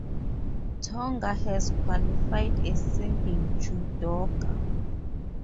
Tonga has qualified a single judoka.